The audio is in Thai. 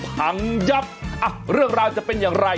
พังยับเรื่องราวจะเป็นอย่างไร